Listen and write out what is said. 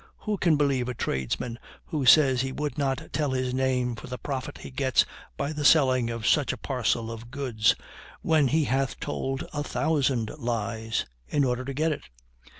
Who can believe a tradesman who says he would not tell his name for the profit he gets by the selling such a parcel of goods, when he hath told a thousand lies in order to get it?